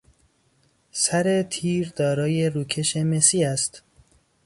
سر تیر دارای روکش مسی است.